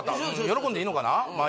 喜んでいいのかなま